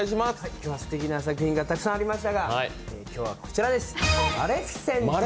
今日すてきな作品がたくさんありましたが、今日はこちらです。